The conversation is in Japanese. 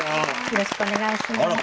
よろしくお願いします。